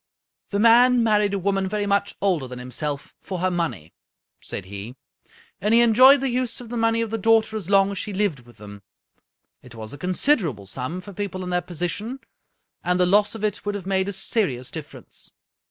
" The man married a woman very much older than him self for her money," said he, " and he enjoyed the use of the money of the daughter as long as she lived with them. It was a considerable sum, for people in their position, and the loss of it would have made a serious difference.